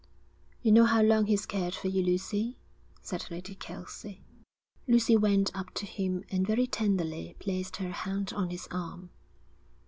'You know how long he's cared for you, Lucy,' said Lady Kelsey. Lucy went up to him and very tenderly placed her hand on his arm.